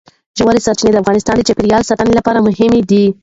ژورې سرچینې د افغانستان د چاپیریال ساتنې لپاره مهمي دي.